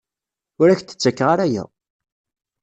Ur ak-d-ttakeɣ ara aya.